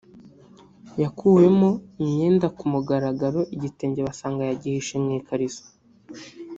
yakuwemo imyenda ku mugaragaro igitenge basanga yagihishe mu ikariso